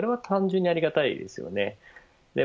これは単純にありがたいですよね。